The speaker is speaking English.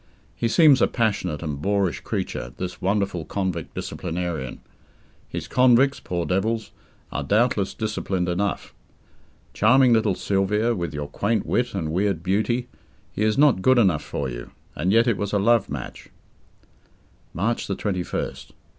He seems a passionate and boorish creature, this wonderful convict disciplinarian. His convicts poor devils are doubtless disciplined enough. Charming little Sylvia, with your quaint wit and weird beauty, he is not good enough for you and yet it was a love match. March 21st.